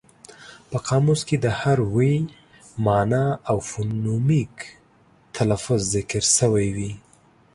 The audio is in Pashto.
په قاموس کې د هر ویي مانا او فونیمک تلفظ ذکر شوی وي.